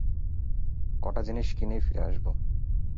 কটা জিনিস কিনেই ফিরে আসব।